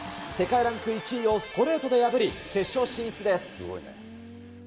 世界ランク１位をストレートで破り、決勝進出です。